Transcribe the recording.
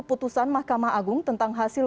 putusan mahkamah agung tentang hasil